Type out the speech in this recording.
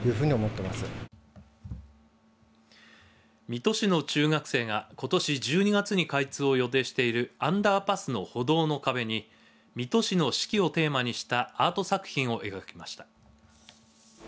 水戸市の中学生がことし１２月に開通を予定しているアンダーパスの歩道の壁に水戸市の四季をテーマにしたアート作品を描きました。